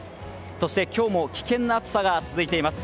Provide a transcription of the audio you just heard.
そして、今日も危険な暑さが続いています。